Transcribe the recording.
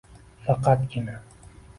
Faqatgina